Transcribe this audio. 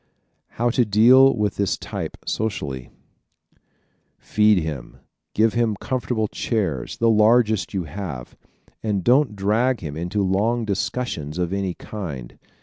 How to Deal with this Type Socially ¶ Feed him, give him comfortable chairs the largest you have and don't drag him into long discussions of any kind.